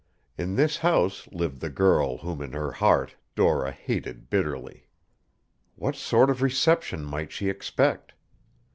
In this house lived the girl whom in her heart Dora hated bitterly. What sort of reception might she expect?